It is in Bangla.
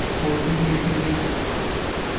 ওর থেকে লিখিয়ে নিয়েছি।